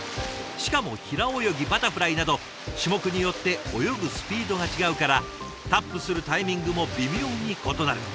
しかも平泳ぎバタフライなど種目によって泳ぐスピードが違うからタップするタイミングも微妙に異なる。